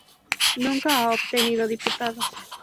Nunca ha obtenido diputados.